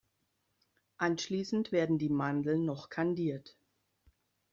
Anschließend werden die Mandeln noch kandiert.